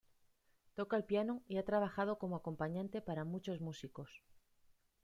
Toca el piano y ha trabajado como acompañante para muchos músicos.